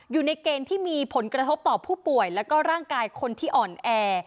อยู่ในเกณฑ์ที่มีผลกระทบต่อผู้ป่วยแล้วก็ร่างกายคนที่อ่อนแอ